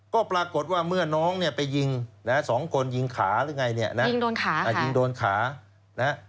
ก็ปรากฏว่าเมื่อน้องเนี่ยไปยิงนะฮะสองคนยิงขาหรือไงเนี่ยนะยิงโดนขายิงโดนขานะฮะ